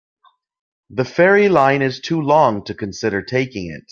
The ferry line is too long to consider taking it.